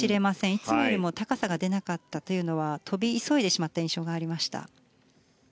いつもよりも高さが出なかったというのは跳び急いでしまった印象がありました。